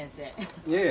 いえいえ